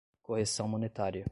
correção monetária